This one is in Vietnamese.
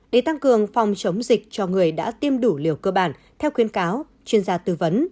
để tăng cường phòng chống dịch cho người đã tiêm đủ liều cơ bản theo khuyến cáo chuyên gia tư vấn